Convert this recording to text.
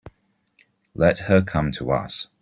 Let her come to us.